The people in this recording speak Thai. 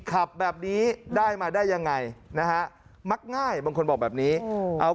ขับแบบนี้ได้มาได้ยังไงนะฮะมักง่ายบางคนบอกแบบนี้เอา